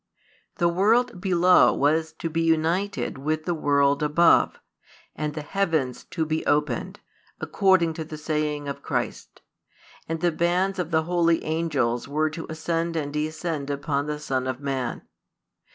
The world below was to be united with the world above, and the heavens to be opened, according to the saying of Christ; and the bands of the holy angels were to ascend and descend upon the Son of Man.